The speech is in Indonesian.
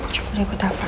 coba dia ikut alvan